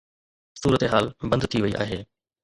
صورتحال بند ٿي وئي آهي.